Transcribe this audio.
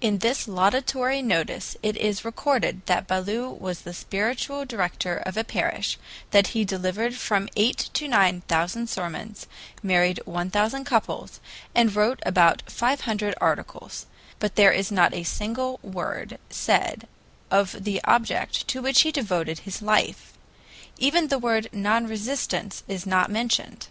In this laudatory notice it is recorded that Ballou was the spiritual director of a parish, that he delivered from eight to nine thousand sermons, married one thousand couples, and wrote about five hundred articles; but there is not a single word said of the object to which he devoted his life; even the word "non resistance" is not mentioned.